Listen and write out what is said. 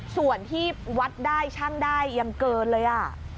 ส่วนที่วัดได้ช่างได้ยังเกินเลย